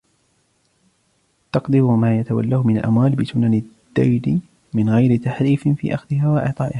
تَقْدِيرُ مَا يَتَوَلَّاهُ مِنْ الْأَمْوَالِ بِسُنَنِ الدِّينِ مِنْ غَيْرِ تَحْرِيفٍ فِي أَخْذِهَا وَإِعْطَائِهَا